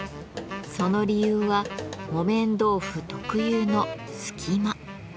その理由は木綿豆腐特有の「隙間」。